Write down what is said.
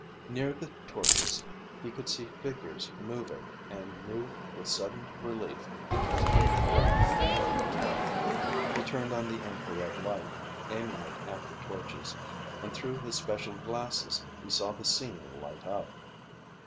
Near the torches he could see figures moving and knew with sudden relief that he had found the enemy camp. He turned on the infrared light, aiming it at the torches, and through his special glasses he saw the scene light up.